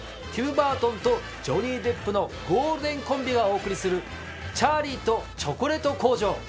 ティム・バートンとジョニー・デップのゴールデンコンビがお送りする『チャーリーとチョコレート工場』